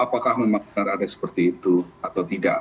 apakah memang benar ada seperti itu atau tidak